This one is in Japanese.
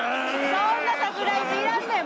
そんなサプライズいらんねん